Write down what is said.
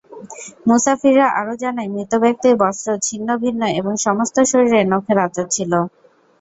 মুসাফিররা আরো জানায়, মৃতব্যক্তির বস্ত্র ছিন্ন-ভিন্ন এবং সমস্ত শরীরে নখের আঁচর ছিল।